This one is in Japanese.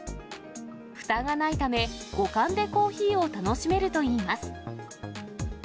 ふたがないため、五感でコーヒーを楽しめるといいます。